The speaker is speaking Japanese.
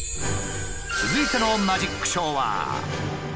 続いてのマジックショーは。